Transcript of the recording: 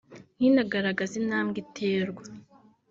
ntinagaragaze intambwe iterwa